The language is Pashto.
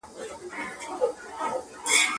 که مثال وي نو موضوع نه پټیږي.